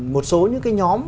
một số những nhóm